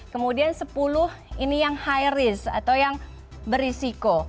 kemudian sepuluh ini yang high risk atau yang berisiko